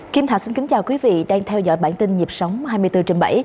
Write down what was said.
kim thạch xin kính chào quý vị đang theo dõi bản tin nhịp sống hai mươi bốn trên bảy